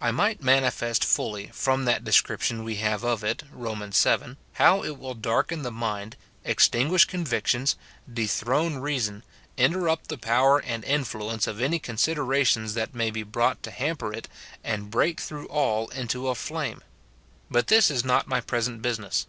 I might manifest fully, from that description we have of it, Rom. vii., how it will darken the mind, extinguish convictions, dethrone reason, interrupt the power and influence of any considerations that may be brought to hamper it, and break through all into a flame. But this is not my present business.